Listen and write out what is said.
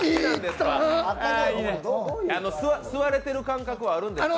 吸われてる感覚はあるんですか？